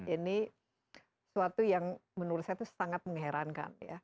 ini suatu yang menurut saya itu sangat mengherankan ya